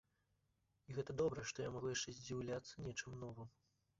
І гэта добра, што я магу яшчэ здзіўляцца нечаму новаму.